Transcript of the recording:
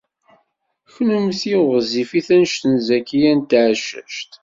Kennemti ur ɣezzifit anect n Zakiya n Tɛeccact.